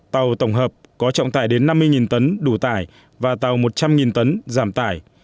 tàu tổng hợp có trọng tải đến năm mươi tấn đủ tải và tàu một trăm linh tấn giảm tải